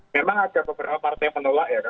memang ada beberapa partai yang menolak ya